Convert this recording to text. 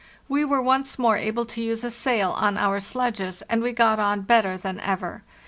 We were once more able to use a sail on our sledges, and we got on better than ever.